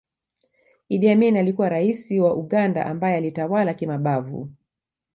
Idd Amin alikuwa Raisi wa Uganda ambaye alitawala kimabavu